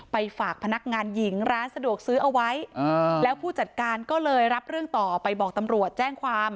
ฝากพนักงานหญิงร้านสะดวกซื้อเอาไว้แล้วผู้จัดการก็เลยรับเรื่องต่อไปบอกตำรวจแจ้งความ